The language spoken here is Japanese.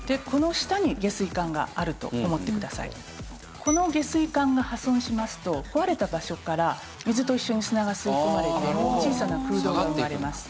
この下水管が破損しますと壊れた場所から水と一緒に砂が吸い込まれて小さな空洞が生まれます。